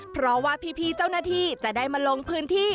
เพราะว่าพี่เจ้าหน้าที่จะได้มาลงพื้นที่